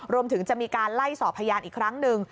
รวมถึงจะมีการไล่สอบพยานอีกครั้งหนึ่ง